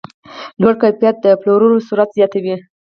لوړ کیفیت د پلور سرعت زیاتوي.